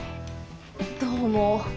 どうも。